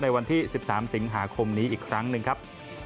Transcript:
วันที่๑๓สิงหาคมนี้อีกครั้งหนึ่งครับ